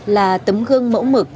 là tấm gương mẫu mực